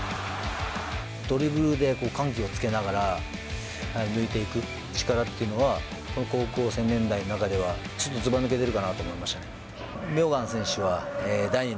ドリブルで緩急をつけながら抜いていく力っていうのは、高校生年代の中ではすごいずば抜けてるかなと思いましたね。